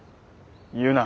言うな。